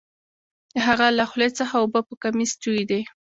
د هغه له خولې څخه اوبه په کمیس تویدې